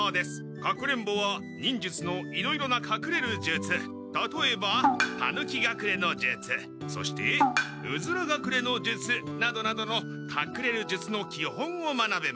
隠れんぼは忍術のいろいろな隠れる術たとえばタヌキ隠れの術そしてうずら隠れの術などなどの隠れる術の基本を学べます。